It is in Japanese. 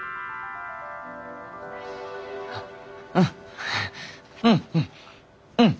うんうんうんうん！